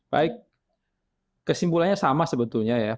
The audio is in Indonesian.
baik kesimpulannya sama sebetulnya ya